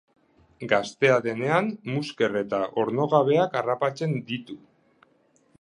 Gaztea denean musker eta ornogabeak harrapatzen ditu.